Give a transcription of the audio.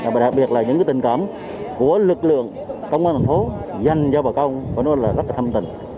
và đặc biệt là những tình cảm của lực lượng công an thành phố dành cho bà con rất là thâm tình